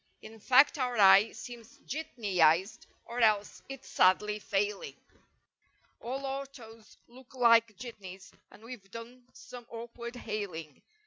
In fact our eye seems jitneyized or else it's sadly failing: All autos look like jitneys, and we've done some awkward hailing.